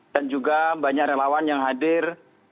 juga banyak relawan yang hadir